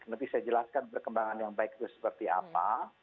nanti saya jelaskan perkembangan yang baik itu seperti apa